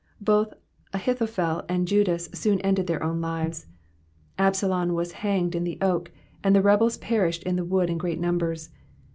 Both Ahithophel and Judas soon ended their own lives ; Absalom was hanged in the oak, and the rebels perished in the wood in great numbers.